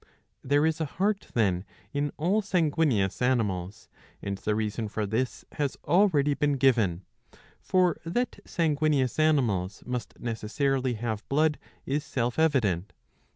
* There is a heart, then, in 665 b. iii. 4. 6^ all sanguineous animals, and the reason for this has already been given. For that sanguineous animals must necessarily have blood is self evident.